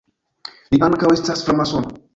Li ankaŭ estas framasono.